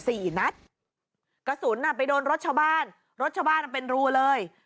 สี่นัดกระสุนอ่ะไปโดนรถชาวบ้านรถชาวบ้านมันเป็นรูเลย